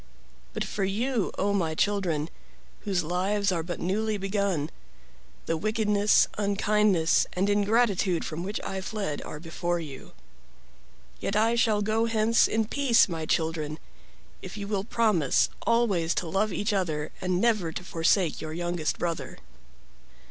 But for you, 0 my children, whose lives are but newly begun, the wickedness, unkindness, and ingratitude from which I fled are before you. Yet I shall go hence in peace, my children, if you will promise always to love each other and never to forsake your youngest brother."